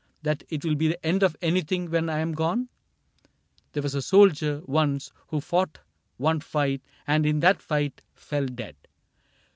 That it will be the end of anything When I am gone ? There was a soldier once Who fought one fight and in that fight fell dead.